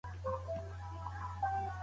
زه تر ګرېوان پوري د اوښکو مزل ستړی کړمه